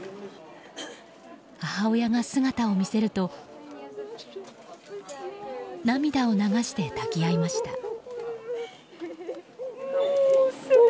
母親が姿を見せると涙を流して抱き合いました。